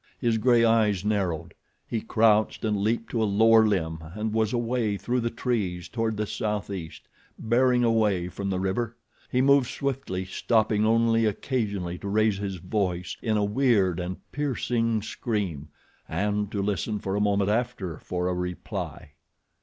His gray eyes narrowed. He crouched and leaped to a lower limb and was away through the trees toward the southeast, bearing away from the river. He moved swiftly, stopping only occasionally to raise his voice in a weird and piercing scream, and to listen for a moment after for a reply.